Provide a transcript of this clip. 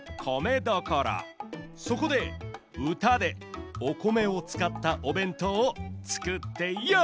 そこでうたでお米をつかった「おべんとう」をつくってヨー！